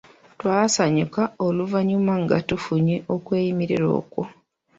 Twasanyuka oluvannyuma nga tufunye okweyimirirwa okwo.